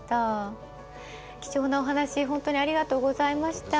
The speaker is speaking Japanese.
貴重なお話本当にありがとうございました。